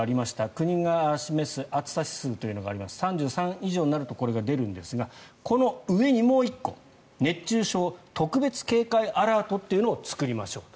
国が示す暑さ指数というのがありまして３３以上になるとこれが出るんですがこの上にもう１個熱中症特別警戒アラートを作りましょうと。